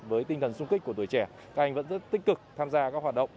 với tinh thần sung kích của tuổi trẻ các anh vẫn rất tích cực tham gia các hoạt động